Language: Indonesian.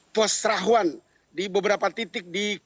peserahuan di beberapa titik di